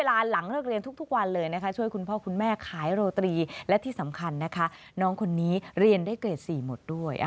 และที่สำคัญนะคะน้องคนนี้เรียนได้เกรด๔หมดด้วย